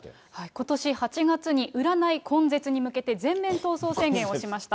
ことし８月に占い根絶に向けて、全面闘争宣言をしました。